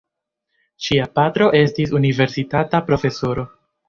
Ŝia patro estis universitata profesoro.